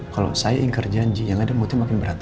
kalau saya ingkar janji yang ada mungkin makin beratnya